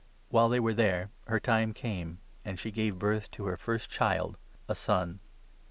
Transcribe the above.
While they 6 were there her time came, and she gave birth to her first child, 7 a son.